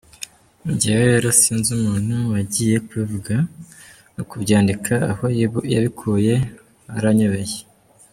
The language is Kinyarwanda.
Njyewe rero sinzi umuntu wagiye kubivuga no kubyandika, aho yabikuye haranyobeye.